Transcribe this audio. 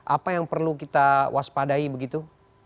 apa yang perlu kita waspadai begitu